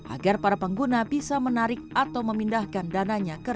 agar para pengguna bisa menarik atau memindahkan dananya